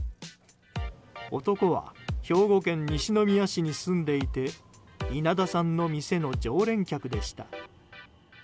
男は、兵庫県西宮市に住んでいて稲田さんの店の常連客でした。